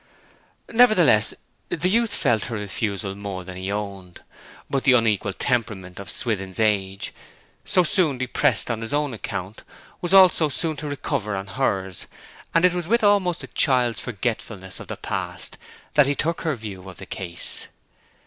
Nevertheless, the youth felt her refusal more than he owned; but the unequal temperament of Swithin's age, so soon depressed on his own account, was also soon to recover on hers, and it was with almost a child's forgetfulness of the past that he took her view of the case.